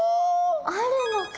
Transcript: あるのか！